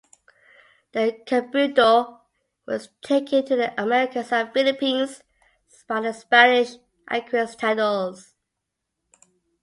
The "cabildo" was taken to the Americas and Philippines by the Spanish conquistadors.